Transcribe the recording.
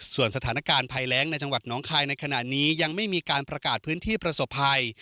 ส่วนสถานการณ์ภัยแรงในจังหวัดน้องคายในขณะนี้ยังไม่มีการประกาศพื้นที่ประสบภัย